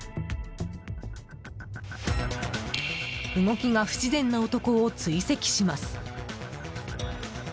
動きが不自然な男を追跡します。